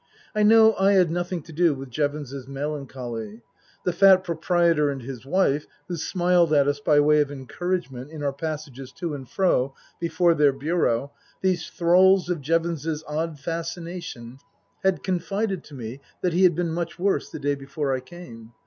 I know I had nothing to do with Jevons's melancholy. The fat proprietor and his wife (who smiled at us by way of encouragement in our passages to and fro before their bureau), these thralls of Jevons's odd fascination, had confided to me that he had been much worse the day before I came.